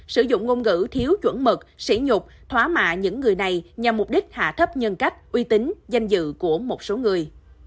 sử dụng ngôn ngữ thiếu chuẩn mật xỉ nhục thóa mạ những người này nhằm mục đích hạ thấp nhân cách uy tín danh dự của một số người